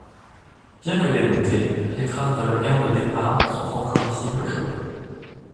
Bien que démonté, les traces de la gare de départ sont encore visibles aujourd'hui.